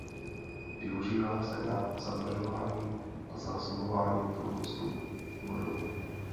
Využívá se na zavlažování a zásobování průmyslu vodou.